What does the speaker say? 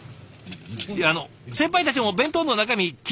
いやあの先輩たちも弁当の中身気になる様子。